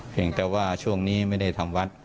แต่ว่าช่วงนี้ไม่ได้ทำวัด